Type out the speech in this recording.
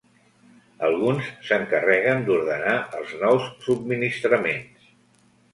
Alguns s'encarreguen d'ordenar els nous subministraments.